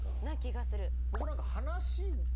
な気がする。